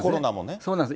そうなんです。